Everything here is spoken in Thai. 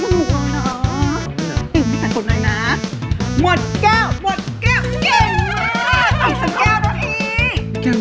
อะไรสิ